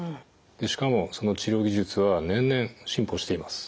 しかもその治療技術は年々進歩しています。